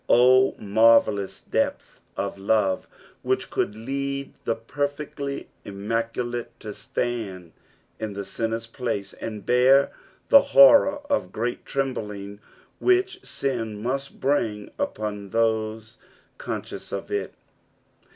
Oh, marvellous depth of love, which could lead the perfectly immaculate to stand in ihe sinner's place, and bear the horror of great trembliog which sin must bring upon those conscious of it.